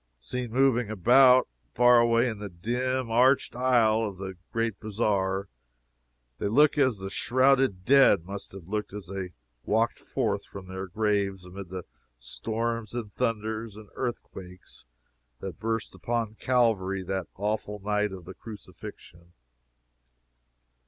Seen moving about, far away in the dim, arched aisles of the Great Bazaar, they look as the shrouded dead must have looked when they walked forth from their graves amid the storms and thunders and earthquakes that burst upon Calvary that awful night of the Crucifixion.